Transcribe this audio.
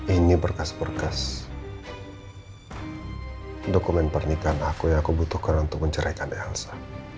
ini dokumen pernikahan aku yang aku butuhkan untuk menceraikan elsa